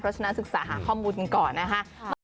เพราะฉะนั้นศึกษาหาข้อมูลกันก่อนนะคะ